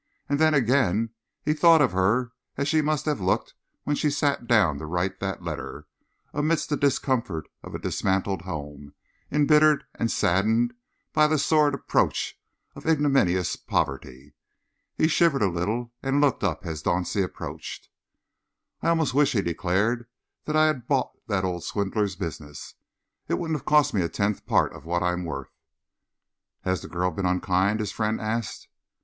And then again he thought of her as she must have looked when she sat down to write that letter, amidst the discomfort of a dismantled home, embittered and saddened by the sordid approach of ignominious poverty. He shivered a little and looked up as Dauncey approached. "I almost wish," he declared, "that I had bought that old swindler's business. It wouldn't have cost me a tenth part of what I am worth." "Has the girl been unkind?" his friend asked.